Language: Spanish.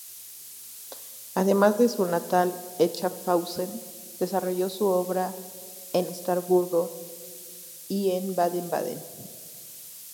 Además de su natal Schaffhausen, desarrolló su obra en Estrasburgo y en Baden-Baden.